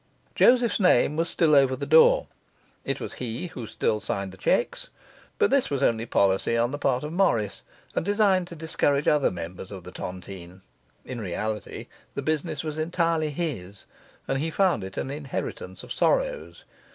Joseph's name was still over the door; it was he who still signed the cheques; but this was only policy on the part of Morris, and designed to discourage other members of the tontine. In reality the business was entirely his; and he found it an inheritance of sorrows.